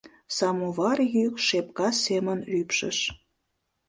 Самовар йӱк шепка семын рӱпшыш.